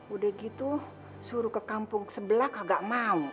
udah gitu suruh ke kampung sebelah agak mau